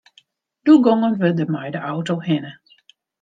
Doe gongen we der mei de auto hinne.